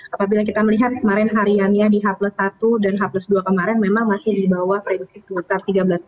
apabila kita melihat kemarin hariannya di h satu dan h dua kemarin memang masih di bawah prediksi sebesar tiga belas